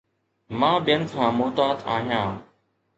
مان ٻين کان محتاط آهيان